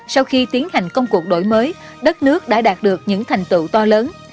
sau khi tiến hành công cuộc đổi mới đất nước đã đạt được những thành tựu to lớn